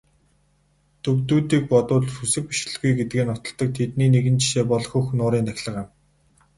Төвөдүүдийг бодвол сүсэг бишрэлгүй гэдгээ нотолдог тэдний нэгэн жишээ бол Хөх нуурын тахилга юм.